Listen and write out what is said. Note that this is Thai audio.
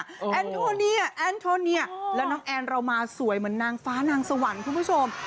แอนโทเนียแอนโทเนียแล้วน้องแอนเรามาสวยเหมือนนางฟ้านางสวรรค์คุณผู้ชม